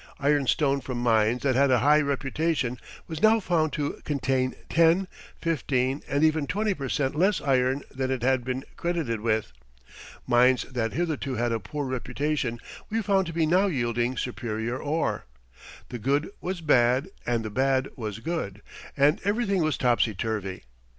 Iron stone from mines that had a high reputation was now found to contain ten, fifteen, and even twenty per cent less iron than it had been credited with. Mines that hitherto had a poor reputation we found to be now yielding superior ore. The good was bad and the bad was good, and everything was topsy turvy.